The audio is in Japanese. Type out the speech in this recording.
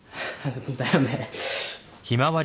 だよね。